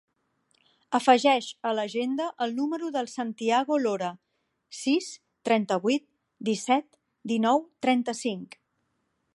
Afegeix a l'agenda el número del Santiago Lora: sis, trenta-vuit, disset, dinou, trenta-cinc.